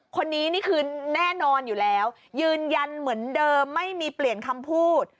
คนนี้นี่คือแน่นอนอยู่แล้วยืนยันเหมือนเดิมไม่มีเปลี่ยนคำพูด